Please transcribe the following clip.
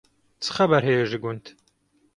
Çi xeber heye ji gund?